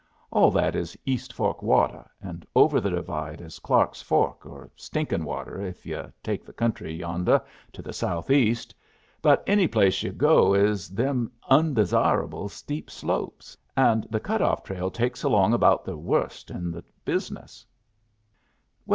All that is East Fork water, and over the divide is Clark's Fork, or Stinkin' Water, if yu' take the country yondeh to the southeast. But any place yu' go is them undesirable steep slopes, and the cut off trail takes along about the worst in the business.